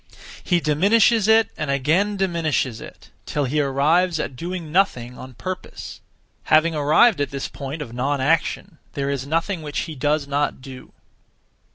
He diminishes it and again diminishes it, till he arrives at doing nothing (on purpose). Having arrived at this point of non action, there is nothing which he does not do. 3.